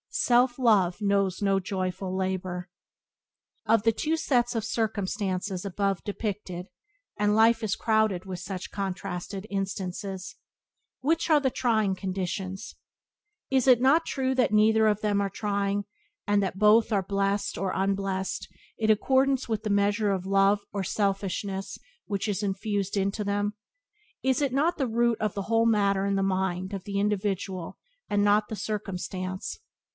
Self love knows no joyful labour. Of the two sets of circumstances above depicted (and life is crowded with such contrasted instances) which are the "trying" conditions? Is it not true that neither of them are trying, and that both are blest or unblest in accordance with the measure of love or selfishness Byways to Blessedness by James Allen 20 which is infused into them? Is not the root of the whole matter in the mind of the individual and not in the circumstance?